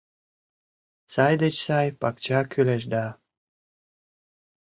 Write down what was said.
Сай деч сай пакча кӱлеш да.